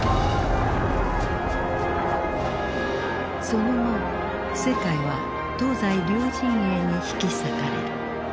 その後世界は東西両陣営に引き裂かれる。